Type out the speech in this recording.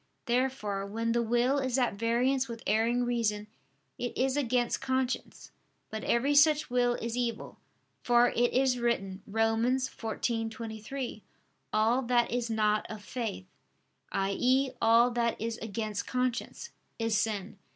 Therefore when the will is at variance with erring reason, it is against conscience. But every such will is evil; for it is written (Rom. 14:23): "All that is not of faith" i.e. all that is against conscience "is sin."